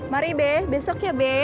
mari besok ya be